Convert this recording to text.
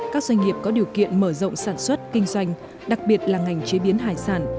các doanh nghiệp có điều kiện mở rộng sản xuất kinh doanh đặc biệt là ngành chế biến hải sản